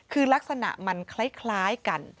คือลักษณะมันคล้ายกัน